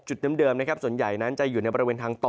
เดิมนะครับส่วนใหญ่นั้นจะอยู่ในบริเวณทางต่อ